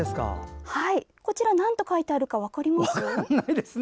こちらはなんと書いてあるか分かります？